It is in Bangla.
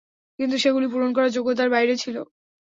কিন্তু, সেগুলি পূরণ করা যোগ্যতার বাইরে ছিল।